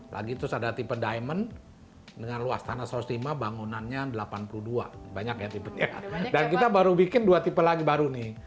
lagi terus ada tipe diamond dengan luas tanah satu ratus lima bangunannya delapan puluh dua banyak ya tipenya dan kita baru bikin dua tipe lagi baru nih